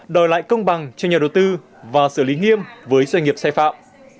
đòi lại công bằng cho nhà đầu tư và xử lý nghiêm với doanh nghiệp sai phạm